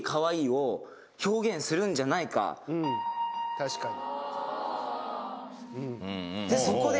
確かに。